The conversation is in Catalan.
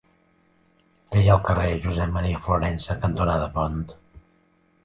Què hi ha al carrer Josep M. Florensa cantonada Pont?